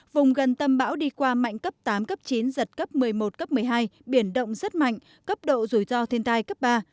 vùng gần tâm bão đi qua mạnh cấp tám cấp chín giật cấp một mươi một cấp một mươi hai biển động rất mạnh cấp độ rủi ro thiên tai cấp ba